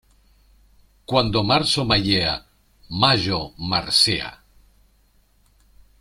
Cuando marzo mayea, mayo marcea.